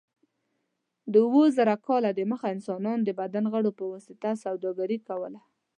د اوه زره کاله دمخه انسانانو د بدن غړو په واسطه سوداګري کوله.